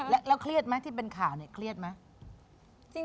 แล้วเครียดไหมที่เป็นข่าวเนี่ยเครียดไหม